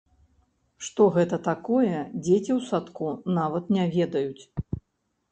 Што гэта такое, дзеці ў садку нават не ведаюць.